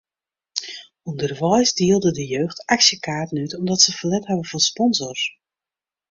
Underweis dielde de jeugd aksjekaarten út omdat se ferlet hawwe fan sponsors.